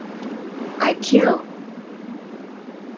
I Kill!